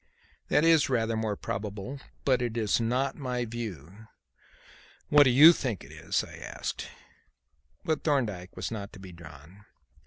"That is rather more probable, but it is not my view." "What do you think it is?" I asked. But Thorndyke was not to be drawn.